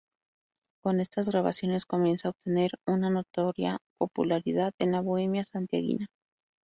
Con estas grabaciones comienza a obtener una notoria popularidad en la bohemia santiaguina.